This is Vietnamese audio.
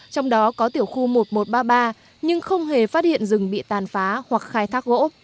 trong đó có tiểu khu một nghìn một trăm ba mươi ba nhưng không hề phát hiện rừng bị tàn phá hoặc khai thác gỗ